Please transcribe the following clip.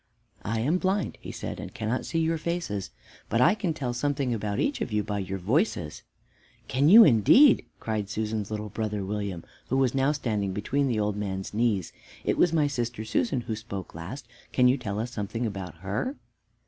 "I am blind," he said, "and cannot see your faces, but I can tell something about each of you by your voices." "Can you indeed?" cried Susan's little brother William, who was now standing between the old man's knees. "It was my sister Susan who spoke last. Can you tell us something about her?"